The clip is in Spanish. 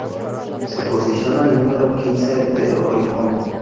Se posicionó en el número quince de Oricon.